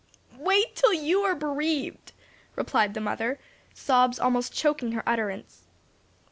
"Wait till you are bereaved," replied the mother, sobs almost choking her utterance.